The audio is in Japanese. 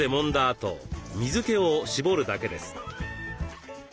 あと水けを絞るだけです。